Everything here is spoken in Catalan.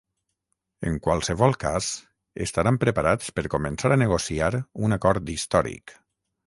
En qualsevol cas, estaran preparats per començar a negociar un acord històric.